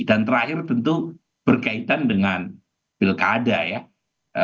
dan terakhir tentu berkaitan dengan pilkada ya